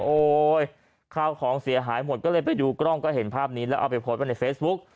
ข้าวของเสียหายหมดก็เลยไปดูกล้องก็เห็นภาพนี้แล้วเอาไปโพสต์ไว้ในเฟซบุ๊ก